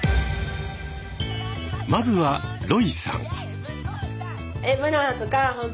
まずはロイさん。